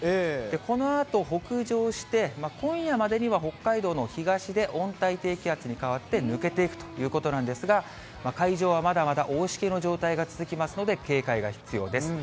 このあと北上して、今夜までには北海道の東で温帯低気圧に変わって抜けていくということなんですが、海上はまだまだ大しけの状態が続きますので、警戒が必要です。